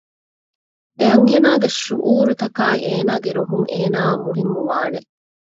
އެ އަންހެނާގެ ޝުޢޫރުތަކާއި އޭނާގެ ރުހުން އޭނާއަށް މުހިންމުވާނެ